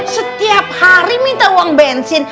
setiap hari minta uang bensin